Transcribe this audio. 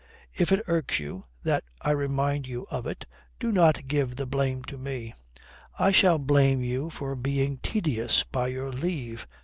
If it irks you that I remind you of it, do not give the blame to me." "I shall blame you for being tedious, by your leave."